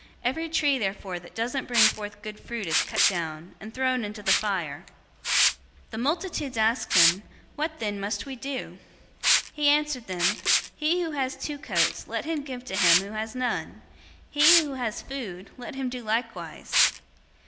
Every tree therefore that doesn't bring forth good fruit is cut down, and thrown into the fire." 003:010 The multitudes asked him, "What then must we do?" 003:011 He answered them, "He who has two coats, let him give to him who has none. He who has food, let him do likewise."